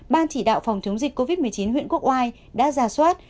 ban chỉ đạo phòng chống dịch covid một mươi chín huyện quốc oai đã giả soát